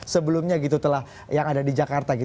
sebelumnya gitu telah yang ada di jakarta gitu